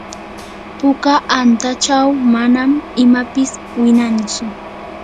puka antachaw manan imapis winantsu.